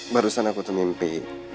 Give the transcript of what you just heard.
barusan aku tuh mimpi